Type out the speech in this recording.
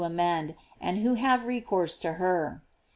amend, and who have recourse to her.